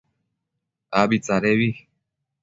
Abi tsadebi